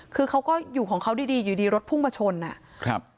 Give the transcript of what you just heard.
คือเขาก็อยู่ของเขาดีดีอยู่ดีรถพุ่งมาชนอ่ะครับ